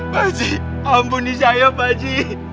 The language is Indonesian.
pakji ampun nih saya pakji